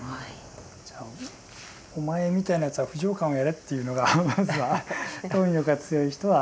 じゃあお前みたいなやつは不浄観をやれっていうのがまずは貪欲が強い人は。